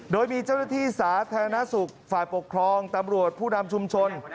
โดยมีเจ้าหน้าที่สาธารณสุขฝ่ายปกครองตำรวจผู้นำชุมชน